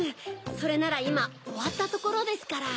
それならいまおわったところですから。